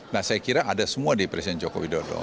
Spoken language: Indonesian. nah saya kira ada semua di presiden joko widodo